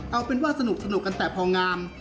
เอาเป็นว่าสนุกกันแต่พองาม